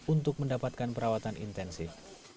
untuk mendapatkan perawatan intensif